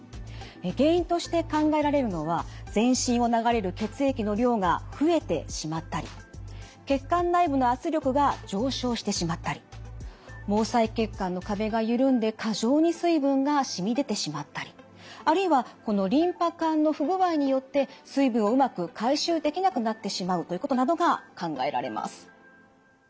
原因として考えられるのは全身を流れる血液の量が増えてしまったり血管内部の圧力が上昇してしまったり毛細血管の壁が緩んで過剰に水分がしみ出てしまったりあるいはこのリンパ管の不具合によって水分をうまく回収できなくなってしまうということなどが考えられます。